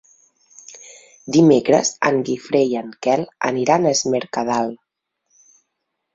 Dimecres en Guifré i en Quel aniran a Es Mercadal.